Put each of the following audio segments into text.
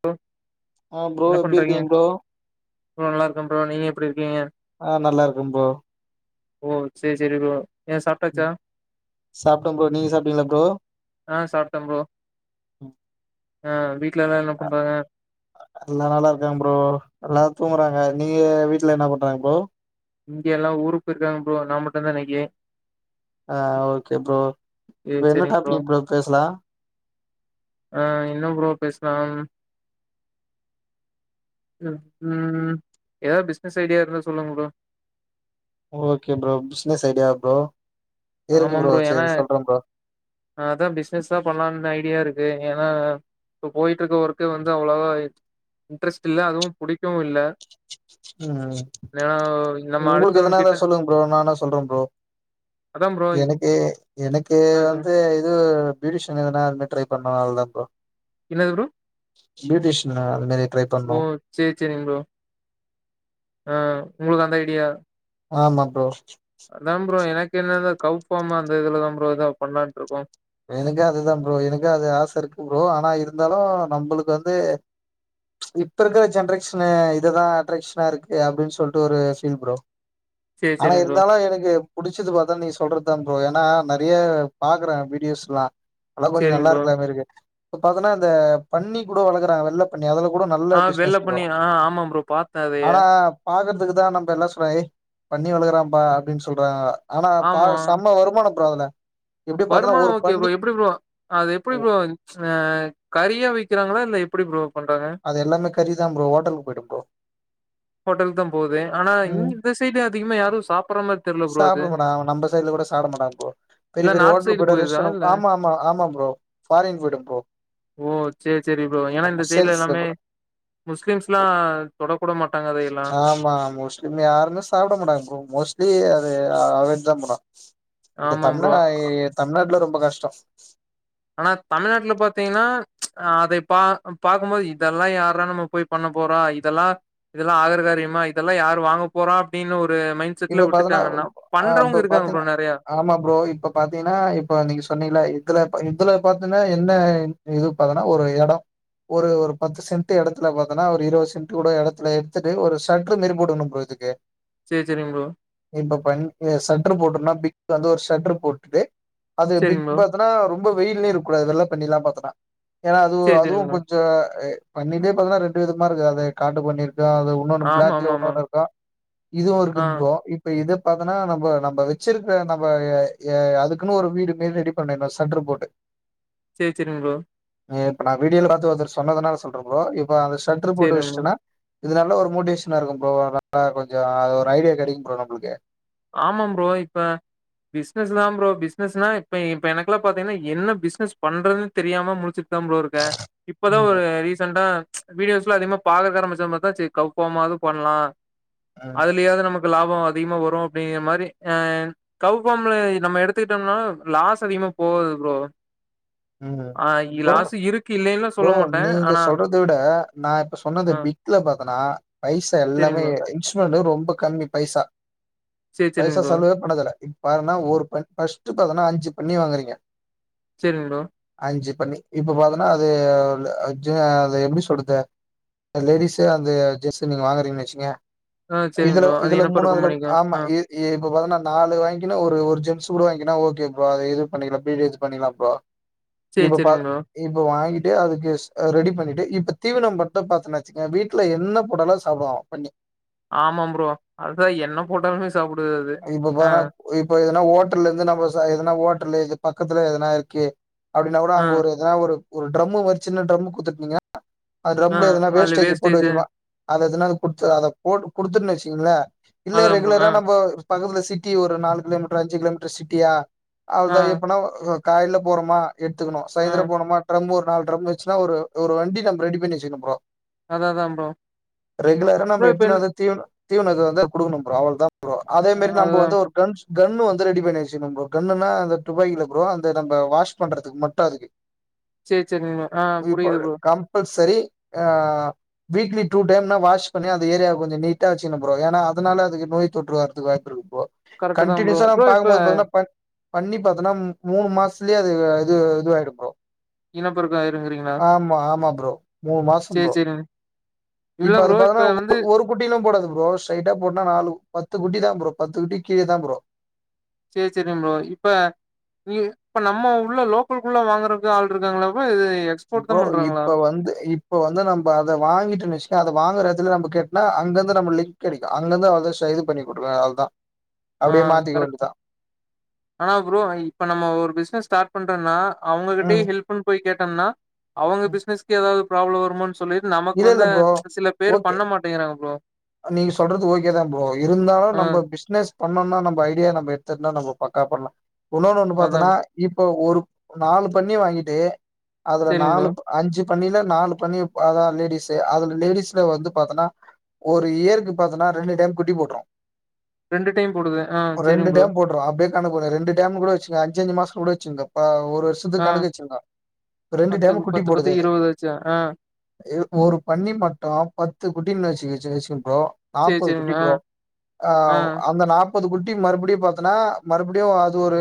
Bro ஆ bro என்ன எப்டி பண்றீங்க இருக்கீங்க ப்ரோ ப்ரோ நல்லா இருக்க ப்ரோ நீங்க எப்டி இருக்கீங்க ஆ நல்லா இருக்க ப்ரோ ஓ சேரி சேரி ப்ரோ ஏ ம் சாப்ட்டாச்சா சாப்ட்ட ப்ரோ நீங்க சாப்டீங்ளா ப்ரோ ஆ சாப்ட்ட ப்ரோ ஆ வீட்ல எல்லா என்ன பண்றாங்க எல்லா நல்லா இருக்காங்க ப்ரோ எல்லாரு தூங்குறாங்க நீங்க வீட்ல என்ன பண்றாங்க ப்ரோ இங்கெ எல்லா ஊருக்கு போயிர்க்காங்க ப்ரோ நா மட்டுந்தா இன்னைக்கு ஆ ஓகே ப்ரோ சேரி இப்ப என்ன சேரிங் டாபிக் ப்ரோ பேசலா ஆ என்ன ப்ரோ பேசலாம் ம் ம்ம் எதாவ்து பிஸ்னஸ் ஐடியா இருந்தா சொல்லுங்க ப்ரோ ஓகே ப்ரோ பிஸ்னஸ் ஐடியாவா ப்ரோ இருக்கு ப்ரோ சேரி சொல்றே ப்ரோ ஆ அதா பிஸ்னஸ் தா பண்லான்ற ஐடியா இருக்கு ஏனா இப்ப போயிட்ருக்க ஒர்க்கு வந்து அவ்ளவா இன்ட்ரெஸ்ட் இல்ல அதுவு புடிக்கவு இல்ல ம்ம் ஏன்னா நம்ம உங்களுக்கு எதனா அடுத்தவங்க இருந்தா கிட்ட சொல்லுங்க ப்ரோ நானா சொல்றே ப்ரோ அதா ப்ரோ எனக்கு எனக்கு ஆ சொல்லுங்க வந்து இது ப்யூட்டிஷன் எதுனா அது மாரி ட்ரை பண்ணு அவ்ளதா ப்ரோ என்னது ப்ரோ பியூட்டிஷியன் நா அது மாரி ட்ரைப் ஓ சேரி சேரிங்க ப்ரோ ஆ உங்களுக்கு அந்த ஐடியா ஆமா ப்ரோ அதா ப்ரோ எனக்கு என்னெனா கவ்ஃபார்ம் அந்த இதுலதா ப்ரோ எதா பண்லான்ருக்கு எனக்கே அதுதா ப்ரோ எனக்கு அது ஆச இருக்கு ப்ரோ ஆனா இருந்தாலு நம்பளுக்கு வந்து இப்ப இருக்கிற ஜென்ரேஷனு இததா அட்ரேக்ஷனா இருக்கு அப்டின் சொல்ட்டு ஒரு ஃபீல் ப்ரோ சேரி ஆனா சேரிங் ப்ரோ இருந்தாலு எனுக்கு புடிச்சது பாத்தா நீங் சொல்றது தா ப்ரோ ஏனா நெறைய பாக்கறே வீடியோஸ்லா அல்லா கொஞ்ச சேரிங் நல்லா ப்ரோ இருக்கலாமே இருக்கு இப்ப பாத்தனா இந்த பண்ணி கூட வளக்குறாங்க வெள்ள பண்ணி அதுல கூட நல்ல ஆ வெள்ள பிஸ்னஸ் ப்ரோ பண்ணி ஆ ஆமா ப்ரோ பாத்தே அதய ஆனா பாக்கறதுக்கு தா நம்ப எல்லா சொல்ற ஏய் பன்னி வளக்கறாம்பா அப்டின் சொல்றாங்க ஆனா பா ஆமா செம்ம வருமானோ ப்ரோ அதுல எப்டியோ பாத்தனா ஒரு கே பன்னி [unintelligible] எப்டி ப்ரோ அது எப்டி ஓ, ப்ரோ அ கறியா விக்கிறாங்களா இல்ல எப்டி ப்ரோ பண்றாங்க அது எல்லாமே கறிதா ப்ரோ ஓட்டலுக்கு போய்டு ப்ரோ ஹோட்டல் தம் போது ஆனா ம் இங் இந்த சைட்ல அதிகமா யாரு சாப்பற மாரி தெர்ல ப்ரோ அது சாப்ட மாட்டா அவ நம்ம சைட்ல கூட சாப்ட மாட்டா ப்ரோ பெரிய இல்ல பெரிய நார்த் ஹோட்டல்க்கு சைடு போய்டு போயிருதா ரெஸ்டனம் இல்ல ஆமா ஆமா ஆமா ப்ரோ ஃபாரின் போய்டு ப்ரோ ஓ செரி செரி ப்ரோ ஏனா இந்த ஆமா சைட்ல சேல்ஸ்ல எல்லாமே கூட முஸ்லீம்ஸ்லா தொடக் கூட மாட் ஆம் மா மோஸ்ட்லி யாருமே சாப்ட மாட்டாங்க ப்ரோ மோஸ்ட்லி அது அவாய்ட் தா பன்றா இந்த ஆமா தம்நா ப்ரோ தமிழ்நாட்ல ரொம்ப கஷ்டோ ஆனா தமிழ்நாட்ல பாத்தீங்னா அதை பா பாக்குமோது இதெல்லா யாரா நம்ம போய் பண்ண போறா இதெல்லா இதெல்லா ஆகர காரியமா இதெல்லா யாரு வாங்க போற அப்டின்னு ஒரு மைண்ட் செட்ல இப்ப பாத்தனா விட்டுட்டாங்கன்னா ஆ இப்ப பண்றவங்க இருக்காங்க பாத்தீனா ப்ரோ நெறையா ஆமா ப்ரோ இப்ப பாத்தீங்கனா இப்ப நீங்க சொன்னிங்கல்ல இதுல ப இதுல பாத்தீனா என்ன இது பாத்தனா ஒரு எடோ ஒரு ஒரு பத்து சென்ட்டு எடத்துல பாத்தனா ஒரு இருவது சென்ட்டு கூட எடத்துல எடுத்துட்டு ஒரு ஷட்ரு மேரி போட்டர்னு ப்ரோ இதுக்கு சேரி செரிங்க ப்ரோ இப்ப பண் எ ஷட்ரு போட்டோனா பிக் வந்து ஒரு ஷட்ரு போட்டுட்டு அது பிக் சேரிங் ப்ரோ பா அதுனா ரொம்ப வெயிலயே இருக்கூடாது வெள்ள பண்ணில்லா பாத்தனா ஏனா அதுவு சேரி அதுவு சேரிங் ப்ரோ கொஞ் ச எ பண்ணிலியே பாத்தனா ரெண்டு விதமா இருக்கு அது காட்டு பண்ணிருக்கு அது இன்னொன்னு ஆமா பிளாக்ல ஆமா ஆமா ஒன்னோனு இருக்கா இதுவு ஒரு ஆ போ இப்ப இத பாத்தனா நம்ப நம்ப வச்சிருக்க நம்ப எ எ அதுக்குனு ஒரு வீடு மேர் ரெடி பண்ணிர்னு சட்ரு போட்டு சேரி சேரிங் ப்ரோ இப்ப நா வீடியால பாத்து ஒருத்தர் சொன்னதுனால சொல்ற ப்ரோ இப்ப அந்த ஷட்ரு போட்டு சேரிங் ப்ரோ வச்ட்டனா இது நல்ல ஒரு மோட்டிவேஷனா இருக்கு ப்ரோ நல்லா கொஞ்சோ அது ஒரு ஐடியா கெடைக்கு ப்ரோ நம்புளுக்கு ஆமா ப்ரோ இப்ப பிஸ்னஸ் தா ப்ரோ பிஸ்னஸ்னா இப்ப இப்ப எனக்லா பாத்தீங்கனா என்ன பிஸ்னஸ் பண்றதுன் தெரியாம முழிச்சிட் தா ப்ரோ இருக்க இப்பதா ஒரு ம் ரீசன்டா வீடியோஸ்லா அதிகமா பாக்கக்க ஆரம்பிச்ச மாரி தா செரி கவ் ஃபாமாவது பண்ணலா ம் அதுலயாவது நமக் லாபோ அதிகமா வரு அப்டிங்கிற மாரி அ கவ் ஃபாம்ல நம்ம எடுத்துக் கிட்டம்னா லாஸ் அதிகமா போகாது ப்ரோ ம் ஆ ப்ரோ இலாசு இருக் ப்ரோ நீங்க சொல்றத விட நா இப்ப சொன்னது ஆ பிக்ல பாத்தனா பைசா சேரிங் எல்லாமே ப்ரோ இன்ச் பர் டே ரொம்ப கம்மி பைசா சேரி சேரிங் பைசா ப்ரோ செலவே பண்ண தேவல பாருனா ஒரு பண் ஃபஸ்ட் பாத்தனா அஞ்சு பண்ணி வாங்கறீங்க செரிங் ப்ரோ அஞ்சு பண்ணி இப்ப பாத்தனா அது ஆக்சுலா அத எப்டி சொல்றது லேடிஸு அந்த ஜெஸ்சு நீங்க வாங்குறீங்கன்னு வச்சீங்க ஆ சேரிங் இதுல ப்ரோ அது இதுல என்ன மூணாத்துல பருக்கம் அதுல பண்ணிக்கு ஆமா ஆ இ இப்ப பாத்தங்கன்னா நாலு வாங்கினா ஒரு ஜென்ஸ் கூட வாங்கினா ஓகே ப்ரோ அது இது பண்ணிக்கலா பீடு இது பண்ணிலா ப்ரோ சேரி இப்ப பா சேரிங் ப்ரோ இப்ப வாங்கிட்டு அதுக்கு ஸ் ரெடி பண்ணிட்டு இப்ப தீவின மட்டு பாத்தன வச்சுக்க வீட்ல என்ன போட்டாலு சாப்டுவா பன்னி ஆமாம் ப்ரோ அதுதா என்ன போட்டாலுமே சாப்டுது அது இப்ப ஆ பனா இப்ப எதுனா ஓட்டல்ல இருந்து நம்ம எதனா ஓட்டல்ல இது பக்கத்துல எதனா இருக்கே அப்டின்னா கூட ஆ அங்க ஒரு எதனா ஒரு ட்ம்ரமு மாறி ஒரு சின்ன டிரம்மு குடுத்துருந்தீங்க அது ஆ ட்ரம்பள எதுனா அதுல வேஸ்டேஜ் போட்டு வேஸ்டேஜு வச்சிருப்பா அது எதுனது குடுத்து அத போ குடுத்துன்னு வச்சக்கங்களே இல்ல அதா ப்ரோ ஆ ரெகுலரா நம்போ பக்கத்துல சிட்டி ஒரு நாலு கிலோமீட்டரு அஞ்சு கிலோமீட்டரு சிட்டியா ஆ அதா எப்பனா காயில போறோமா எடுத்துக்கணு ஆ சாயந்திர போனுமா ட்ரம் ஒரு நால ட்ரம் வச்சுன்னா ஒரு ஒரு வண்டி நம்ம ரெடி பண்ணி வச்சுக்கணு ப்ரோ அதா அதா ப்ரோ ரெகுலரா நம்ம ப்ரோ இப்ப எடுத்துணு அந்த தீவன தீவனுக்கு வந்து குடுக்கணு ப்ரோ அவளதா அதே மாரி நம்ம அதா வந்து ஒரு ப்ரன்ஸ் கன்னு வந்து ரெடி பண்ணிவஞ்சின்னு ப்ரோ கண்ணுன்னா அந்த டுபாயல ப்ரோ அந்த நம்ம வாஷ் பண்றதுக்கு மட்டு அதுக்கு சேரி சேரிங்க ப்ரோ ஆ இப்ப புரியுது ப்ரோ கம்பல்சரி ஆ வீக்லி டூ டைம்னா வாஷ் பண்ணி அந்த ஏரியா கொஞ்ச நீட்டா வச்சிக்கனு ப்ரோ ஏரியா அதனால அதுக்கு நோய் தொற்றுவரு [unintelligible] போ கரெக்ட்டு தா ப்ரோ கண்டினியூஸா நா ப்ரோ இப்ப பாக்கும்போது பாத்தீங்கனா பா பண்ணி பாத்தோனா மு மூணு மாசத்துலயே அது இது இது ஆயிடு ப்ரோ இனப்பெருக்கோ ஆயிருங்கிறீங்களா ஆமா ஆமா ப்ரோ மூணு மாச சேரி ப்ரோ சேரிங்க இல்ல இப்ப அத ப்ரோ பாக்கதா வந்து ஒரு குட்டிலா போடாது ப்ரோ ஸ்ட்ரைட்டா போட்டனா நாலு பத்து குட்டி தா ப்ரோ பத்து குட்டிக்கு கீழதா ப்ரோ சரி சரிம்பளோ இப்ப நீ இப்ப நம்ம உள்ள லோக்கல்குள்ள வாங்கறக்கு ஆள் இருக்காங்களாப்பா இது எக்ஸ்போர்ட் தா ப்ரோ பண்றாங்களா இப்ப வந்து இப் இப்போ வந்து நம்ம அத வாங்கிட்டோனு வச்சுக்க அத வாங்கறதல நம்ம கெட்னா அங்க வந்து நம்ம லிங்க் கெடைக்கு அங்கதா அவ்வளதா சைனு பண்ணி குடுங்க அவ்வளதா ஆ கரெக்ட் ஆனா ப்ரோ இப்போ நம்ம ஒரு பிஸ்னஸ் ஸ்டார்ட் பண்ணுறோன்னா அவுங்ககிட்டே ம் ஹெல்ப்புனு போய் கேட்டம்னா அவுங்க ம் பிசினஸ்க்கு ஏதாவது ப்ராப்ளம் வருமோனு சொ சொல்லிட்டு நமக்கு இல்ல இல்ல வந்து ப்ரோ சில பேர் ஓகே பண்ண மாட்டேங்கிறாங்க ப்ரோ நீங்க சொல்றது ஓகே தா ப்ரோ இருந்தாலு ஆ நம்ம பிஸ்னஸ் பண்ணோம்னா நம்ம ஐடியா நம்ம எடுத்துன்னா நம்ம பக்கா பண்லா இன்னோன்னு ஒன்னு அதா பாத்தன்னா இப்போ ஒரு நாலு பன்னி வாங்கிட்டு அதுல சேரிங்க ப்ரோ நாலு அஞ்சு பன்னில நாலு பன்னி அதா லேடிஸ்ஸு அதுல லேடிஸ்ல வந்து பாத்தனா ஒரு இயருக்கு பாத்தன்னா ரெண்டு டைம் குட்டி போட்ரு ரெண்டு டைம் போடுது ஆ ஒரு ரெண்டு சரிங் ப்ரோ டேம் போட்ரு அப்டியே கணக்கு போடுங்க ரெண்டு டைம் கூட வச்சுக்கோங்க அஞ்சு அஞ்சு மாசோ கூட வச்சுங்க இப்ப ஒரு வருஷோ ஆ கணக்கு வச்சிக்கோங்க ரெண்டு பத்து டைம் குட்டி பத்து போடுது பத்து அது இருவது ஆச்சா ஆ ய ஒரு பன்னி மட்டு பத்து குட்டினு வச்சு வச்சுக்க ப்ரோ சேரி நாப்பது குட்டி சேரிங்க ஆ ப்ரோ ஆ அந்த நாப் பது குட்டி மறுபடியு பாத்தன்னா மறுபடியு அது ஒரு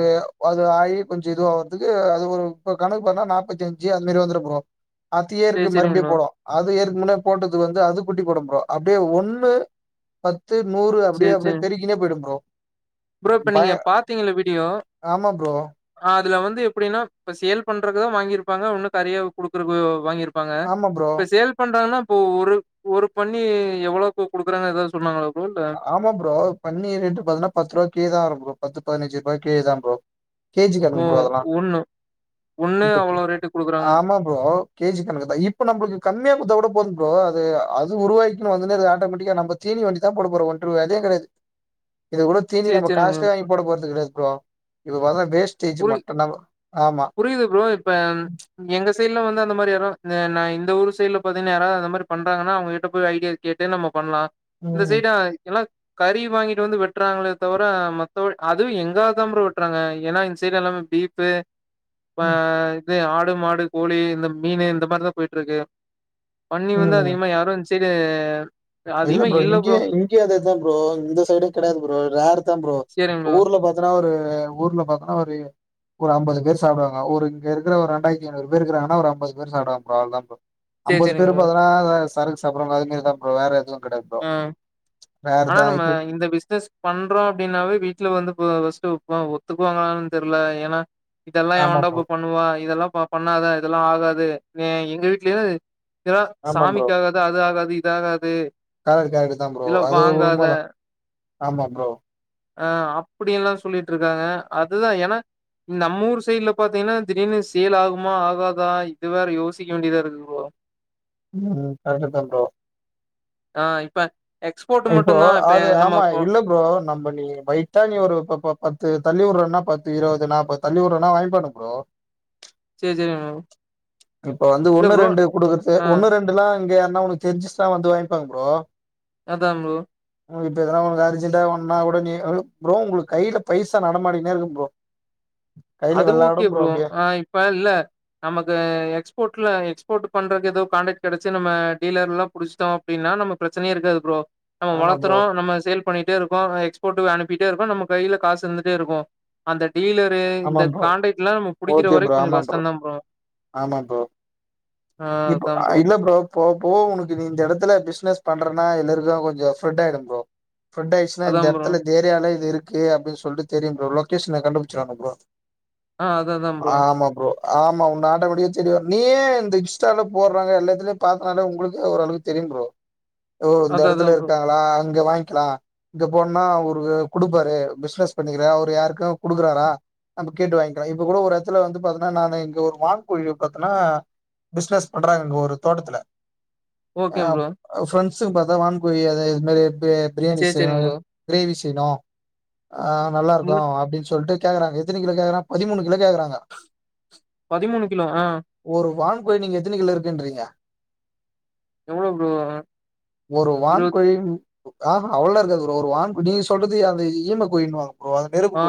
அது ஆகி கொஞ்சோ இது ஆகுறதுக்கு அது ஒரு இப்ப கணக்கு பண்ணா நாப்பத்தி அஞ்சு அது மாரி வந்துரு ப்ரோ அடுத்த சேரி இயருக்கு சேரிங்க மறுபடியு ப்ரோ போடுவோ அது ஏற்க முன்னே போட்டது வந்து அது குட்டி போடும் ப்ரோ அப்டியே ஒன்னு பத்து நூறு அப்டியே சேரி அப்டியே சேரி பெருக்கினே போயிடும் ப்ரோ ப்ரோ இப்ப பய நீங்க பாத்தீங்கல்ல வீடியோ ஆமா ப்ரோ. ஆ அது வந்து எப்டின்னா இப்ப சேல் பண்றதுக்குதா வாங்கிருப்பாங்க ஒன்னு கறியா குடுக்குறக்கு வாங்கிரு பாங்க ஆமா ப்ரோ. இப்ப சேல் பண்றதுனா இப்போ ஒரு ஒரு பன்னி எவ்வளோக்கு குடுக்குறாங்கனு எதாவ்து சொன்னாங்ளா ப்ரோ இல்ல ஆமா ப்ரோ பன்னி ரேட்டு பாத்தனா பத்துருவா கே தா இருக்கு பத்து பதினஞ்சுருபா கே தா ப்ரோ கே ஜி ஓ கணக்கு ப்ரோ அதெல்லா ஒண்ணு ஒண்ணு இப்ப கே அவ்ளோ ரேட்டுக்கு குடுக்குறாங்க ஆமா இப்போ கே ஜி கணக்கு தா இப்ப நம்மளுக்கு கம்மியா குட்த்தாக்கூட போது ப்ரோ அது அது உருவாக்கி வந்துனே இருக்கு ஆட்டோமேட்டிக்கா நம்ம தீனி வண்டி தா போட போறோ ஓட்ற வேலயை கெடையாது இத கூட தீனி சேரி நம்ம சேரிங்க காஸ்ட்லியா வாங்கி போடப் போறது கெடையாது ப்ரோ இப்ப பாத்தா வேஸ்டேஜ் மட்டுந்தா ப்ரோ ஆமா புரியிது ப்ரோ இப்ப எங்க சைடுல வந்து அந்த மாரி யாரு ய நா இந்த ஊர் சைடுல பாத்தீங்ன்னா யாராது அந்த மாரி பண்றாங்கன்னா அவ்ங்ககிட்ட போயி ஐடியா கேட்டு நம்ம பண்லா இந்த ம். சைடு எல்லா கறி வாங்கிட்டு வந்து வெட்டுறாங்களே தவிர மத்தபடி அதுவு எங்க ஆள் தா ப்ரோ வெட்டுறாங்க ஏனா இந்த சைடு எல்லாமே பீஃப்பு அ ம். இது ஆடு மாடு கோழி இந்த மீன் இந்த மாரிதா போயிட்ருக்கு பன்னி வந்து ம். அதிகமா யாரு இந்சைடு இல்ல ப்ரோ இங்கே இங்கயு அதேதா ப்ரோ இந்த சைடே கெடையாது ப்ரோ ரேருதா ப்ரோ சேரிங் ப்ரோ ஊர்ல பாத் பாத்தன்னா ஒரு ஊர்ல பாத்தன்னா ஒரு ஒரு அம்பது பேர் சாப்டுவாங்க ஒரு இங்க இருக்க ஒரு ரெண்டாயிரத்தி ஐநூறு பேரு இருக்கிறாங்கனா ஒரு அம்பது பேர் சாப்டுவாங்க ப்ரோ அவ்ளதா ப்ரோ சேரி அம்பது சேரிங் பேரு ப்ரோ பாத்தனா சரக்கு சாப்புடுறவங்க அதுமாரிதா ப்ரோ வேற எதுவும் கிடையாது ப்ரோ. அ ரேர் ஆனா தான் நம்ம இப்ப இந்த பிஸ்னஸ் பண்றோ அப்டின்னாவே வீட்ல வந்து ஃபஸ்ட்டு இப்ப ஒத்துக்குவாங்களான் தெர்ல ஏனா இதெல்லா ஆமா எவன்டா ப்ரோ போய் பண்ணுவா இதெல்லா ப பண்ணாத இதெல்லா ஆகாது அ எங்க வீட்லயே ஏனா ஆமா சாமிக்கு ஆகாது அது ஆகாது இது ஆகாது கரட்டு கரட்டு தா ப்ரோ இதெல்லா அது வாங்காத உண்மதா ஆமா ப்ரோ அ அப்படின்ல்லா சொல்லிட்ருக்காங்க அதுதா ஏனா நம்ம ஊர் சைட்ல பாத்தீங்ன்னா திடீர்னு சேல் ஆகுமா ஆகாதா இது வேற யோசிக்க வேண்டியதா இருக்கு ப்ரோ ம் கரட்டு தா ப்ரோ ஆ இப்ப எக்ஸ்போர்ட் இப்போ மட்டுதா இப்ப அது நம்ம ஆமா போ இல்ல ப்ரோ நம்ப நீ வய்ட்டா நீ ஒரு ப ப பத்து தள்ளிவுடுறனா பத்து இருவது நாப்பது தள்ளி உட்றானா வாங்கி பண்ணு பரோ [inaudible] இப்ப வந்து இல்ல ஒன்னு ப்ரோ ரெண்டு குடுக்கறது ஆ ஒன்னு ரெண் டுனா இங்க யாருன்னா தெரிஞ்சிச்னா வந்து வாய்ங்பாங்க ப்ரோ அதா ப்ரோ இப்ப எதன உனக் அர்ஜெண்டா ஒன்னா கூட நீ ஒரு ப்ரோ உங்களுக்கு கைல பைசா நடமாடினே இருக்கு ப்ரோ கைல வெள்ளாடும் ப்ரோ அப்டியே ப்பா இல்ல நமக்கு எக்ஸ்போர்ட்ல எக்ஸ்போர்ட் பண்றது எதோ காண்டக்ட் கெடச்சி நம்ம டீலர்ல்லா புடிச்சிட்டோ அப்டினா நம்ம பிரச்சனையே இருக்கது ப்ரோ நம்ம ஆமா ப்ரோ வளத்தறோ நம்ம சேல் பண்ணிட்டே இருக்கோ எக்ஸ்போர்ட்க்கு அனுப்பிட்டே இருக்கோ நம்ம கைல காசு இருந்துட்டே இருக்கு அந்த டீலரு இந்த ஆமா ப்ரோ காண்டக்ட்லா நம்ம புடிக்கிற ஓகே வரை ப்ரோ கொஞ்ச ஆமா கஷ்டந்தா ப்ரோ ஆமா ப்ரோ ஆ இப்ப அதா இல்ல ப்ரோ போ போவ உனக்கு நீ இந்த எடத்துல ப்ஸ்னஸ் பண்றனா எல்லாருக்கு கொஞ்ச ஸ்ப்ரட் ஆயிடு ப்ரோ ஃப்ரட் ஆயிடுச்சுனா அதா இந்த ப்ரோ எடத்துல இந்த ஏரியலா இது இருக்கு அப்டின் சொல்ட்டு தெரியும் ப்ரோ லொகேஷன கண்டுபுடுச்சுருவாங்க ப்ரோ ஆ அது அதா ப்ரோ ஆமா ப்ரோ ஆமா உன்ன ஆட்டோமேட்டிக்கா தேடி வரு நீயே இந்த இன்ஸ்டால போட்றாங்க எல்லாத்துலையு பாத்தனாலே உங்களுக்கு ஒரு அளவுக்கு தெரியு ப்ரோ ஓ இந்த அது அதா எடத்துல ப்ரோ இருக்காங்களா அங்க வாங்கிக்லா இங்க போனா அவரு குடுப்பாரு பிஸ்னஸ் பண்ணிக்கிறே அவரு யாருக்கு குடுக்குறாரா நம்ம கேட்டு வாங்கிக்கலா இப்ப கூட ஒரு எடத்துல வந்து பாத்தெனா நானு இங்க ஒரு வான் கோழிய பாத்தன்னா பிஸ்னஸ் பண்றாங்க இங்க ஒரு தோட்டத்துல ஆ ஓகே ப்ரோ ஃப்ரெண்ட்ஸுங்க பாத்தா வான்கோழிய அதே இது மாரி பி பிரியாணி சேரி செய்னு சேரிங்க ப்ரோ க்ரேவி செய்ணு ஆ நல்லா இருக்கு ம் அப்டின் சொல்ட்டு கேக்குறாங்க எத்தன கிலோ கேக்குறாங்க பதிமூணு கிலோ கேக்குறாங்க பதிமூணு கிலோ ஆ ஒரு வான்கோழி நீங்க எத்தன கிலோ இருக்குன்றீங்க எவ்ளோ ப்ரோ ஒரு இருவத் வான்கோழி ஆ ஹா அவ்ளோலா இருக்காது ப்ரோ ஒரு வான்கோழி நீங்க சொல்றது அந்த ஈமக்கோழின்னு வாங்க ப்ரோ அத ஆ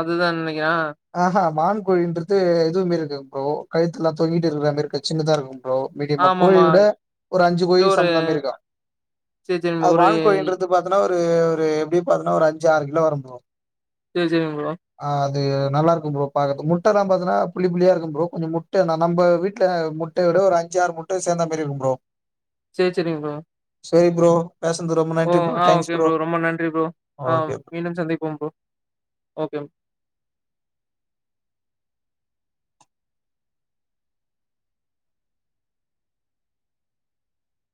அதுதான் நெனைக்கிறே ஆ ஆ ஹா வான்கோழின்றது எதுவுமே இருக்கு ப்ரோ கழுத்தெல்லா தொங்கிட்டு இருக்குற மாரி இருக்காது சின்னதா இருக்கும் ப்ரோ மீடியமா ஆமாமா கோழிவுட ஒரு அஞ்சு இல்ல ஒரு கோழிக் சமம்தா மாரிருக்கு சேரி சேரி நம்ம ஒரு பாத்தனா ஒரு ஒரு எப்புடி பாத்தன்னா ஒரு அஞ்சு ஆறு கிலோ வரு ப்ரோ சேரி சேரிங்க ப்ரோ ஆ அது நல்லாக்கு ப்ரோ பாக்குறதுக்கு முட்டல்லா பாத்தன்னா புள்ளி புள்ளியா இருக்கும் ப்ரோ கொஞ்ச முட்டனா நம்ம வீட்டு முட்ட முட்ட விட ஒரு அஞ்சு ஆறு முட்ட சேந்த மாரி இருக்கு ப்ரோ சேர் சேரிங்க ப்ரோ சேரி ப்ரோ பேஸுந்தது ரொம்ப ஓ நன்றி ப்ரோ. ஆ தேங்க்ஸ் ஓகே ப்ரோ ரொம்ப நன்றி ப்ரோ ஆ ஓகே. மீண்டும் சந்திப்போம் ப்ரோ ஓகே